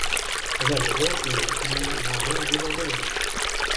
El deu d'agost na Martina va a Vila-rodona.